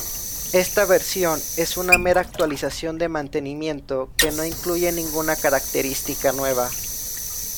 Esta versión es una mera actualización de mantenimiento que no incluye ninguna característica nueva.